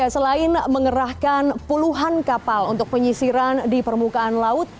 selain mengerahkan puluhan kapal untuk penyisiran di permukaan laut